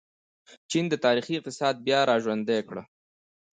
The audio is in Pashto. چین د تاریخي اقتصاد بیا راژوندی کړ.